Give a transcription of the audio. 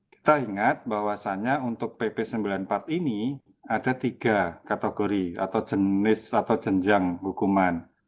kita ingat bahwasannya untuk pp sembilan puluh empat ini ada tiga kategori atau jenis atau jenjang hukuman